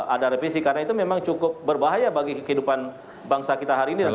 ada revisi karena itu memang cukup berbahaya bagi kehidupan bangsa kita hari ini